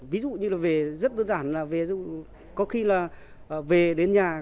ví dụ như là về rất đơn giản là có khi là về đến nhà